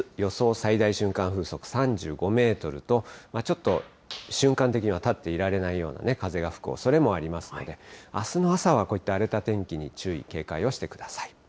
最大瞬間風速３５メートルと、ちょっと瞬間的には立っていられないような風が吹くおそれもありますので、あすの朝はこういった荒れた天気に注意、警戒をしてください。